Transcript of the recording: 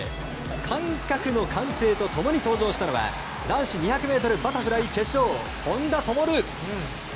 観客の歓声と共に登場したのは男子２００ｍバタフライ決勝本多灯。